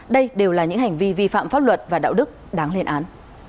đây đều là những hành vi vi phạm pháp luật và đạo đức đáng lên án